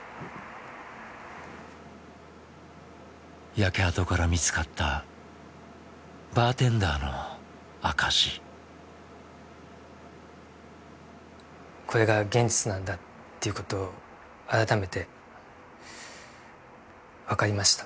焼け跡から見つかったバーテンダーの証し。っていうことを改めてわかりました。